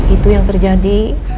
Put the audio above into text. itu yang terjadi